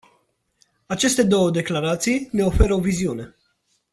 Aceste două declarații ne oferă o viziune.